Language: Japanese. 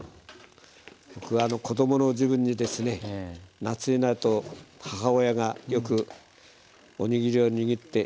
僕が子供の時分にですね夏になると母親がよくおにぎりを握って。